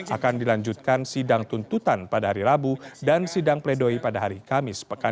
akan dilanjutkan sidang tuntutan pada hari rabu dan sidang pledoi pada hari kamis pekan